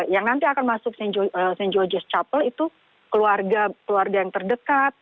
yang nanti akan masuk st george's chapel itu keluarga yang terdekat